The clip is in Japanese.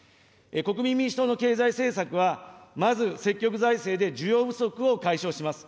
国民民主党の経済政策は、まず積極財政で需要不足を解消します。